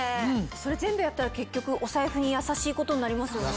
それ全部やったら結局お財布にやさしいことになりますよね。